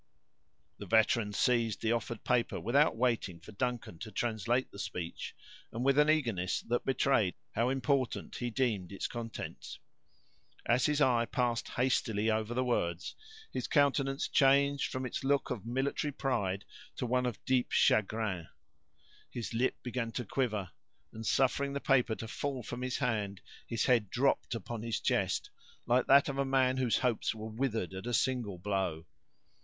The veteran seized the offered paper, without waiting for Duncan to translate the speech, and with an eagerness that betrayed how important he deemed its contents. As his eye passed hastily over the words, his countenance changed from its look of military pride to one of deep chagrin; his lip began to quiver; and suffering the paper to fall from his hand, his head dropped upon his chest, like that of a man whose hopes were withered at a single blow.